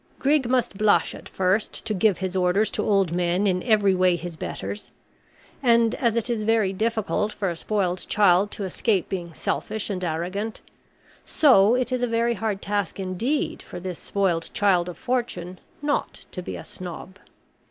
Grig must blush at first to give his orders to old men in every way his betters. And as it is very difficult for a spoiled child to escape being selfish and arrogant, so it is a very hard task indeed for this spoiled child of fortune not to be a Snob.